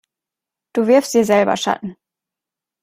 Du wirfst dir selber Schatten.